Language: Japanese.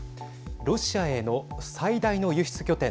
ロシアへの最大の輸出拠点